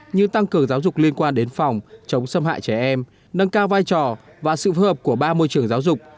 như tăng cường giáo dục liên quan đến phòng chống xâm hại trẻ em nâng cao vai trò và sự phù hợp của ba môi trường giáo dục